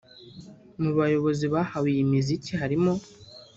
Mu bayobozi bahawe iyi miziki harimo